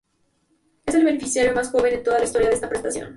Es el beneficiario más joven en toda la historia de esta prestación.